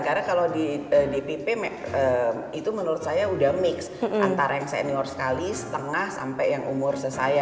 karena kalau di dpp itu menurut saya udah mix antara yang senior sekali setengah sampai yang umur sesaya